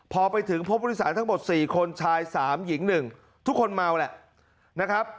พอไปถึงพบผู้โดยสารทั้งหมด๔คนชาย๓หญิง๑ทุกคนเมาแหละนะครับ